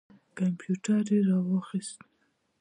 کمپیوټر یې را واخیست.